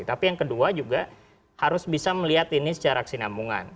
tapi yang kedua juga harus bisa melihat ini secara kesinambungan